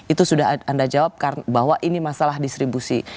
itu sudah anda jawab karena bahwa ini masalah distribusi